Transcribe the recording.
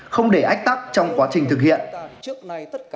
không để ách tắc trong quá trình thực hiện